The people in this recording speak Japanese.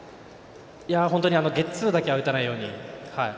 本当にゲッツーだけは打たないように。